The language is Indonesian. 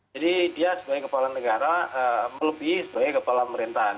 jadi dia sebagai kepala negara melebihi sebagai kepala merintahan